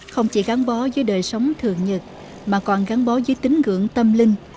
không chỉ gắn bó với đời sống thường nhật mà còn gắn bó với tính ngưỡng tâm linh